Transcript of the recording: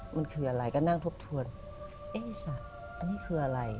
มันคืออะไรก็นั่งทะพันธุันเอยซ่ะอันนี้คืออะไร